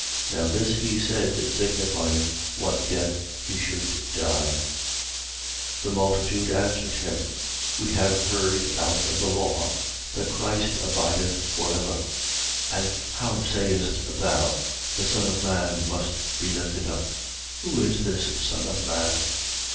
12:33. (Now this he said, signifying what death he should die.) 12:34. The multitude answered him: We have heard out of the law that Christ abideth for ever. And how sayest thou: The Son of man must be lifted up? Who is this Son of man?